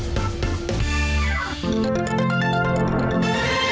สวัสดีครับ